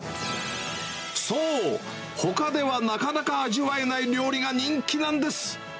そう、ほかではなかなか味わえない料理が人気なんです。